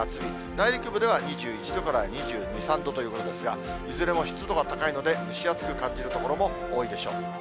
内陸部では２１度から２２、３度ということですが、いずれも湿度が高いので、蒸し暑く感じる所も多いでしょう。